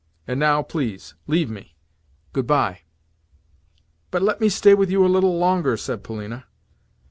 And now, please, leave me. Good bye." "But let me stay with you a little longer," said Polina.